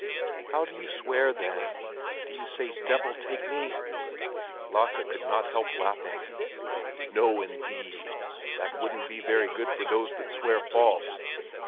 "How do you swear, then? Do you say 'Devil take me'?" Lasse could not help laughing. "No, indeed! That wouldn't be very good for those that swear false.